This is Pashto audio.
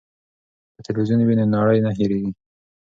که تلویزیون وي نو نړۍ نه هیریږي.